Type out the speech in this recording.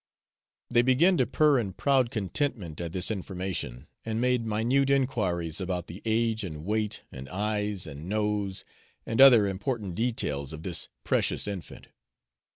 They began to purr in proud contentment at this information, and made minute inquiries about the age and weight and eyes and nose and other important details of this precious infant.